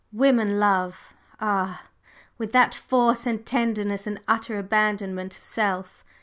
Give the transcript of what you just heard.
"Women love ah! with what force and tenderness and utter abandonment of self!